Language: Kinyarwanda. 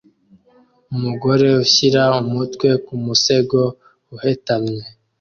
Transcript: Umugore ushyira umutwe ku musego uhetamye